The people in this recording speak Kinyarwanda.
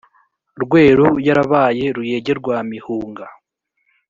rweru yarabaye ruyege rwa mihunga